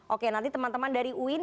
oke nanti teman teman dari uin